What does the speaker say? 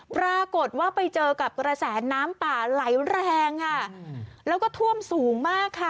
ปรากฏว่าไปเจอกับกระแสน้ำป่าไหลแรงค่ะแล้วก็ท่วมสูงมากค่ะ